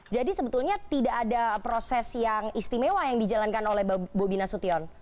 jadi sebetulnya tidak ada proses yang istimewa yang dijalankan oleh bobi nasution